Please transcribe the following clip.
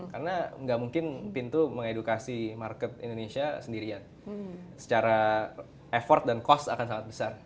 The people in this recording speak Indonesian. karena nggak mungkin pintu mengedukasi market indonesia sendirian secara effort dan cost akan sangat besar